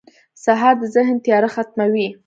سهار د ذهن تیاره ختموي.